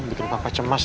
bikin kakak cemas ya